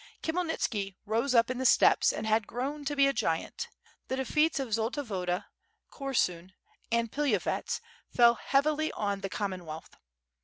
Khmyelnitski rose up in the steppes and had grown to be a giant. The defeats of Zolta Woda, Korsun, and Pilav yets fell heavily on the Commonwealth.